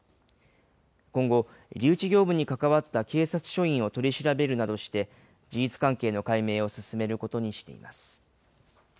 今後、留置業務に関わった警察署員を取り調べるなどして、事実関係の解明を進めることにしています。